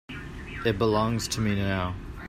It belongs to me now.